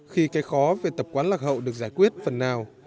khi cái khó về tập quán lạc hậu được giải quyết phần nào